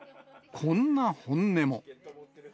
こんな本音も。